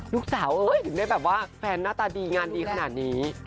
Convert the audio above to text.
ลูกสาวเอ้ยถึงได้แบบว่าแฟนหน้าตาดีงานดีขนาดนี้